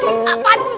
hei apaan ini